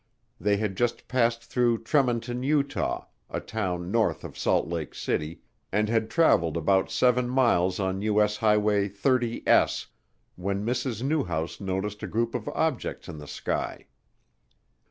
They had just passed through Tremonton, Utah, a town north of Salt Lake City, and had traveled about 7 miles on U.S. Highway 30S when Mrs. Newhouse noticed a group of objects in the sky.